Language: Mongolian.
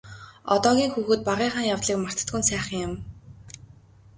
Одоогийн хүүхэд багынхаа явдлыг мартдаггүй нь сайхан юм.